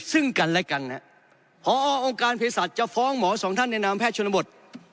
ซึ่งกันและกันนะหออองการพิษัทจะฟ้องหมอสองท่านในนามแพทย์ชนบท